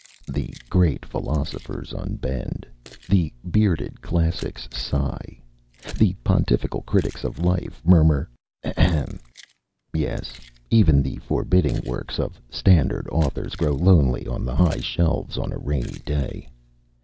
The Great Philosophers unbend, the Bearded Classics sigh, the Pontifical Critics of Life murmur "ahem." Yes, even the forbidding works of Standard Authors grow lonely on the high shelves on a rainy day.